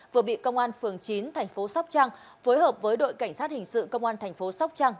vừa bị công an phường chín thành phố sóc trăng phối hợp với đội cảnh sát hình sự công an thành phố sóc trăng